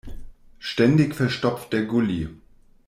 Ständig verstopft der Gully.